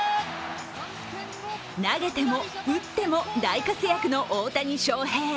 投げても打っても大活躍の大谷翔平。